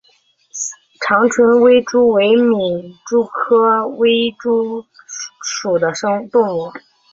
长春微蛛为皿蛛科微蛛属的动物。